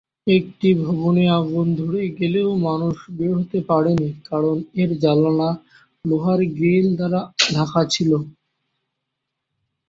একটি ভবনে আগুন ধরে গেলেও মানুষ বের হতে পারেনি কারণ এর জানালা লোহার গ্রিল দ্বারা ঢাকা ছিলো।